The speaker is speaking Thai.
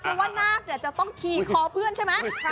เพราะว่านาคจะต้องขี่คอเพื่อนใช่ไหม